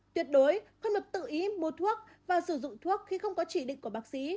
tuyệt đối không được tự ý mua thuốc và sử dụng thuốc khi không có chỉ định của bác sĩ